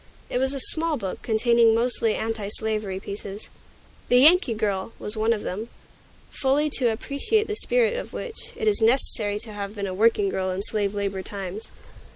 It was a small book, containing mostly Antislavery pieces. "The Yankee Girl" was one of them, fully to appreciate the spirit of which, it is necessary to have been a working girl in slave labor times.